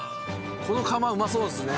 この釜うまそうですね。